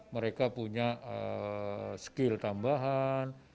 mereka punya skill tambahan